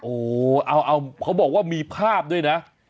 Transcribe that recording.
โอ้โหเอาเขาบอกว่ามีภาพด้วยนะ